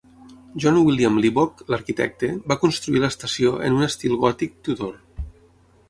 John William Livock, l'arquitecte, va construir l'estació en un estil gòtic Tudor.